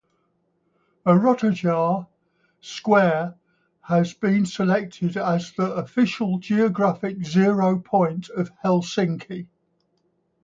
Erottaja square has been selected as the official geographic "zero point" of Helsinki.